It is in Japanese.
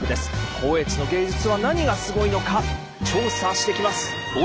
光悦の芸術は何がすごいのか調査してきます。